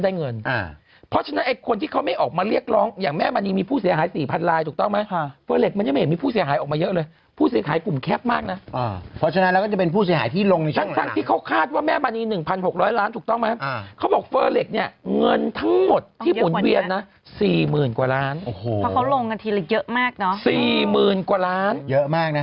อ่าเพราะฉะนั้นไอ้คนที่เขาไม่ออกมาเรียกร้องอย่างแม่บรรยีมีผู้เสียหายสี่พันลายถูกต้องไหมฮะเฟอร์เหล็กมันยังไม่มีผู้เสียหายออกมาเยอะเลยผู้เสียหายกลุ่มแคบมากน่ะอ่าเพราะฉะนั้นเราก็จะเป็นผู้เสียหายที่ลงทั้งทั้งที่เขาคาดว่าแม่บรรยีหนึ่งพันหกร้อยล้านถูกต้องไหมอ่าเขาบอกเฟอร์เหล็กเนี่ยเ